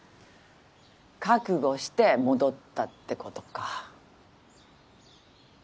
覚悟して戻ったってことか。